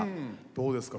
どうですか？